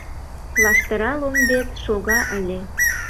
Лаштыра ломбет шога ыле.